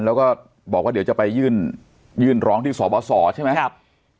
แล้วก็บอกว่าเดี๋ยวจะไปยื่นยื่นร้องที่สบสใช่ไหมครับ